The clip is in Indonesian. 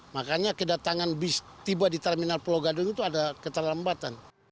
makanya kedatangan bus tiba di terminal pulau gadung itu ada keterlambatan